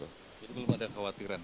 jadi belum ada khawatiran